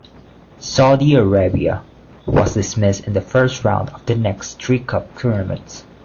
Saudi Arabia was dismissed in the first round of the next three Cup tournaments.